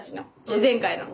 自然界の。